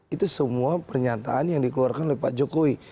itu semua pernyataan yang dikeluarkan oleh pak jokowi